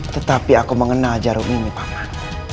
tetapi aku mengenal jarum ini paman